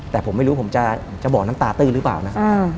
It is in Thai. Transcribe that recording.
แต่ผมไม่รู้ผมจะบอกน้ำตาตื้อหรือเปล่านะ